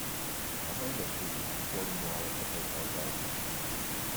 Behind us is the supporting wall of the hotel garden.